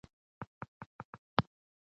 صادرات د هېواد عاید زیاتوي.